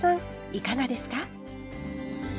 いかがですか？